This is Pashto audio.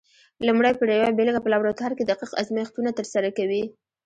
لومړی پر یوه بېلګه په لابراتوار کې دقیق ازمېښتونه ترسره کوي؟